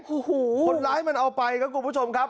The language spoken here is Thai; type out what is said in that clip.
โอ้โหคนร้ายมันเอาไปครับคุณผู้ชมครับ